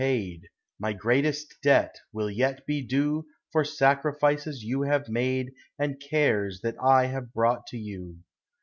'* 7^0 My greatest debt will yet be due For sacrifices you bave made And cares that I have brought to you.